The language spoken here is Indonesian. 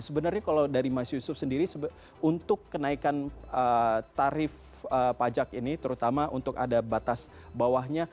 sebenarnya kalau dari mas yusuf sendiri untuk kenaikan tarif pajak ini terutama untuk ada batas bawahnya